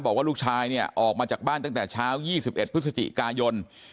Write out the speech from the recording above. บอกว่าลูกชายเนี่ยออกมาจากบ้านตั้งแต่เช้า๒๑พฤศจิกายน